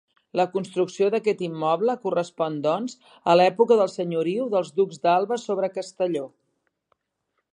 La construcció d'aquest immoble correspon doncs a l'època de senyoriu dels Ducs d'Alba sobre Castelló.